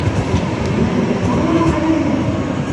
Тӹнӓм йӓ малын айыренӹт